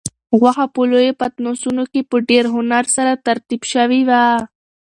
غوښه په لویو پتنوسونو کې په ډېر هنر سره ترتیب شوې وه.